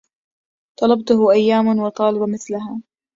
طلبته أيام وطالب مثلها